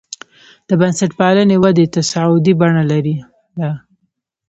د بنسټپالنې ودې تصاعدي بڼه لرله.